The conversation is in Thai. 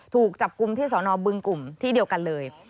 ถูกจับกลุ่มที่สอนอบึงกลุ่มที่เดียวกันเลย